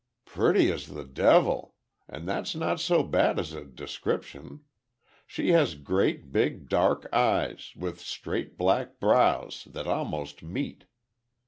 "Pretty as the devil! And that's not so bad as a description. She has great big dark eyes, with straight black brows that almost meet.